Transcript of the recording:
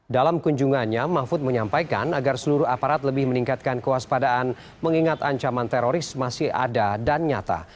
dalam kunjungannya mahfud menyampaikan agar seluruh aparat lebih meningkatkan kewaspadaan mengingat ancaman teroris masih ada dan nyata